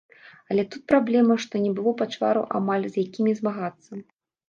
Але тут праблема, што не было пачвараў амаль, з якімі змагацца.